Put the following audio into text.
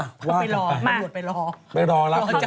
สวัสดีค่ะ